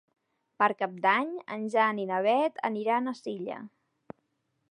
Per Cap d'Any en Jan i na Beth aniran a Silla.